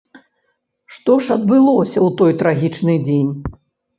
Што ж адбылося ў той трагічны дзень?